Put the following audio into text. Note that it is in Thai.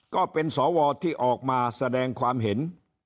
ก็เป็นสวที่ออกมาแสดงความเห็น